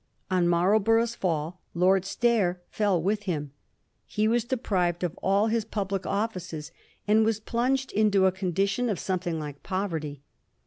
On Marlborough's fall, Lord Stair fell with him. He was deprived of all his public offices, and was plunged into a condition of something like poverty.